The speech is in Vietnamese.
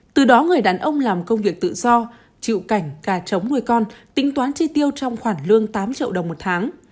từ đó người đàn ông làm công việc tự do chịu cảnh cà trống nuôi con tính toán chi tiêu trong khoản lương tám triệu đồng một tháng